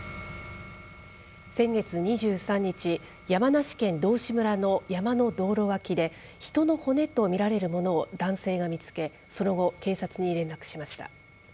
先月２３日、山梨県道志村の山の道路脇で、人の骨と見られるものを男性が見つけ、その後、警察に連絡しました。